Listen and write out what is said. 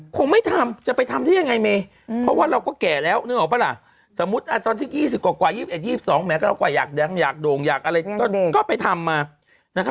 คงไม่ทำจะไปทำได้ยังไงเมเพราะว่าเราก็แก่แล้วนึกออกปะล่ะสมมุติตอนที่๒๐กว่า๒๑๒๒แม้ก็เรากว่าอยากดังอยากโด่งอยากอะไรก็ไปทำมา